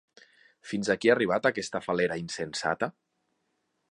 Fins aquí ha arribat aquesta fal·lera insensata?